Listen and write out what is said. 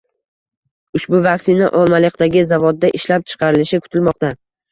Ushbu vaksina Olmaliqdagi zavodda ishlab chiqarilishi kutilmoqda